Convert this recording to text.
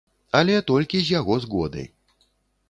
Але толькі з яго згоды.